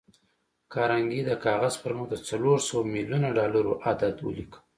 کارنګي د کاغذ پر مخ د څلور سوه ميليونه ډالر عدد وليکه.